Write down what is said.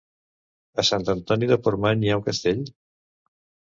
A Sant Antoni de Portmany hi ha un castell?